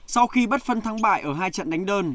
sau khi bắt phân thắng bại ở hai trận đánh đơn